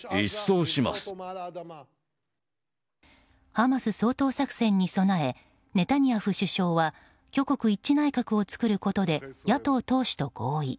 ハマス掃討作戦に備えネタニヤフ首相は挙国一致内閣を作ることで野党党首と合意。